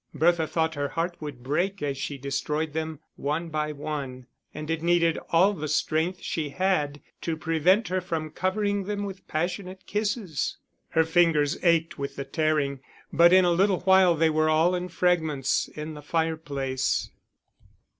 Bertha thought her heart would break as she destroyed them one by one, and it needed all the strength she had to prevent her from covering them with passionate kisses. Her fingers ached with the tearing, but in a little while they were all in fragments in the fireplace.